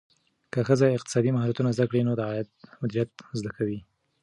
که ښځه اقتصادي مهارتونه زده کړي، نو د عاید مدیریت زده کوي.